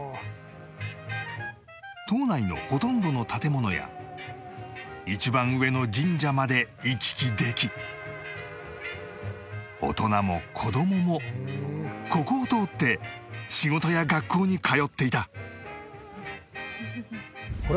島内のほとんどの建物や一番上の神社まで行き来でき大人も子供もここを通って仕事や学校に通っていた